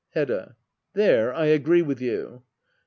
Hedda. There I agree with you.